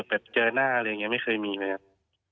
แบบเจอหน้าอะไรอย่างนี้ไม่เคยมีเลยครับ